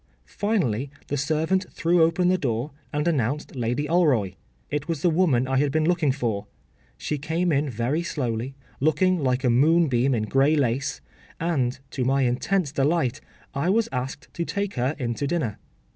Finally the servant threw open the door, and announced Lady Alroy. It was the woman I had been looking for. She came in very slowly, looking like a moonbeam in grey lace, and, to my intense delight, I was asked to take her in to dinner.